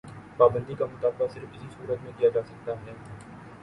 پابندی کا مطالبہ صرف اسی صورت میں کیا جا سکتا ہے۔